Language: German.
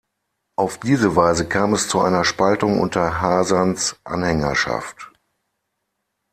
Auf diese Weise kam es zu einer Spaltung unter Hasans Anhängerschaft.